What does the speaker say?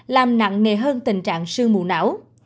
làm nặng nề hơn tình trạng sương mù não